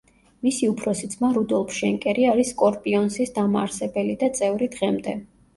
მისი უფროსი ძმა, რუდოლფ შენკერი არის სკორპიონსის დამაარსებელი და წევრი დღემდე.